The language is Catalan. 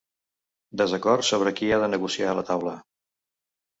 Desacord sobre qui ha de negociar a la taula